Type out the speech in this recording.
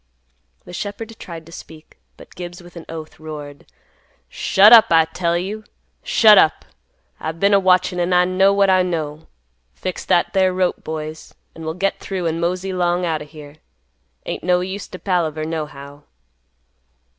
The shepherd tried to speak, but Gibbs, with an oath, roared, "Shut up, I tell you. Shut up. I've been a watchin', an' I know what I know. Fix that there rope, boys, an we'll get through, an' mosey 'long out o' here. Ain't no use to palaver, nohow."